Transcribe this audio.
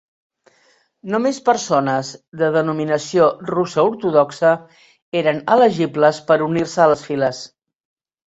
Només persones de denominació russa ortodoxa eren elegibles per unir-se a les files.